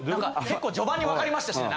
・結構序盤にわかりましたしね。